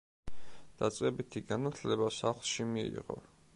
დაწყებითი განათლება სახლში მიიღო.